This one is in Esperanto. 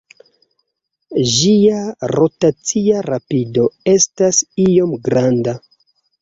Ĝia rotacia rapido estas iom granda.